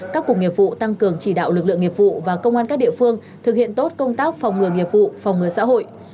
các cục nghiệp vụ tăng cường chỉ đạo lực lượng nghiệp vụ và công an các địa phương thực hiện tốt công tác phòng ngừa nghiệp vụ phòng ngừa xã hội